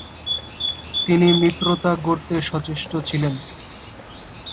তিনি মিত্রতা গড়তে সচেষ্ট ছিলেন।